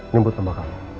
nyumbut sama kamu